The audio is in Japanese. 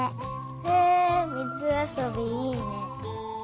へえみずあそびいいね。